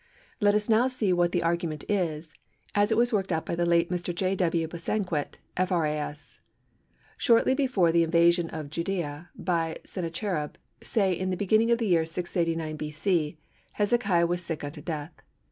Let us see now what the argument is, as it was worked out by the late Mr. J. W. Bosanquet, F.R.A.S. Shortly before the invasion of Judæa by Sennacherib—say in the beginning of the year 689 B.C.—Hezekiah was sick unto death.